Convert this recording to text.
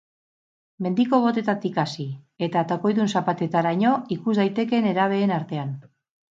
Mendiko botetatik hasi eta takoidun zapatetaraino ikus daiteke nerabeen artean.